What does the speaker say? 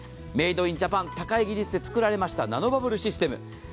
メイド・イン・ジャパン、高い技術で作られました、ナノバブルシステム。